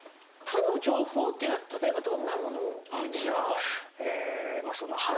「他の情報」っていうのは例えばどんなものを言うんですか？